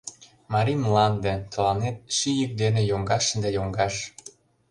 Марий мланде, Тыланет ший йӱк дене йоҥгаш да йоҥгаш!